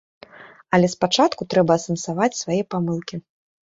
Але спачатку трэба асэнсаваць свае памылкі.